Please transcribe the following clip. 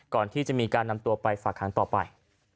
ก่อนที่จะมีการนำตัวไปฝากหางต่อไป